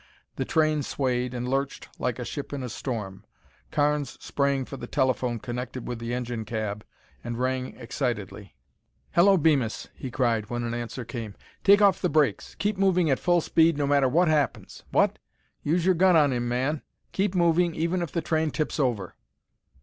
The train swayed and lurched like a ship in a storm. Carnes sprang for the telephone connected with the engine cab and rang excitedly. "Hello, Bemis," he cried when an answer came: "take off the brakes! Keep moving at full speed, no matter what happens. What? Use your gun on him, man! Keep moving even if the train tips over!"